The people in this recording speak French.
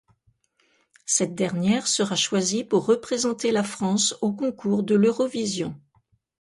Cette dernière sera choisie pour représenter la France au concours de l'Eurovision.